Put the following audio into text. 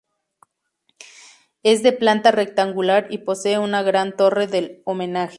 Es de planta rectangular y posee una gran Torre del Homenaje.